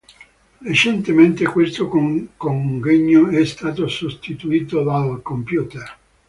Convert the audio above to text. Recentemente questo congegno è stato sostituito dal computer.